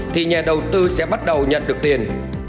thì nhà đầu tư sẽ bắt đầu nhận được tiền